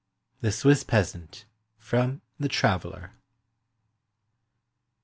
THE SWISS PEASANT. FROM "THE TRAVELLER."